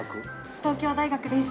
東京大学です。